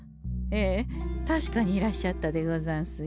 ええ確かにいらっしゃったでござんすよ。